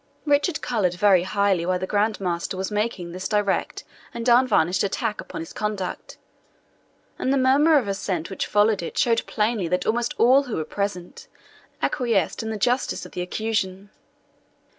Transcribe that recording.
Richard coloured very highly while the Grand Master was making this direct and unvarnished attack upon his conduct, and the murmur of assent which followed it showed plainly that almost all who were present acquiesced in the justice of the accusation.